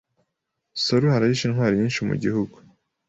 Saruhara yishe intwari nyinshi mugihugu